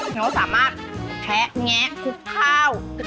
เขาก็สามารถแคะแงะคลุกข้าว